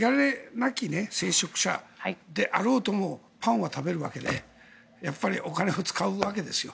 なき聖職者であろうともパンは食べるわけでお金は使うわけですよ。